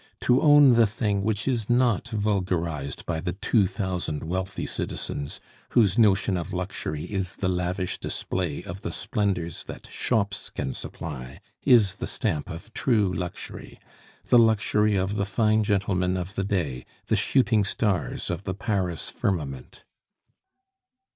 To own the thing which is not vulgarized by the two thousand wealthy citizens whose notion of luxury is the lavish display of the splendors that shops can supply, is the stamp of true luxury the luxury of the fine gentlemen of the day, the shooting stars of the Paris firmament.